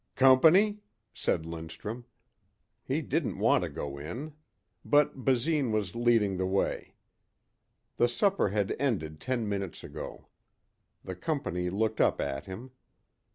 "Company?" said Lindstrum. He didn't want to go in. But Basine was leading the way. The supper had ended ten minutes ago. The company looked up at him.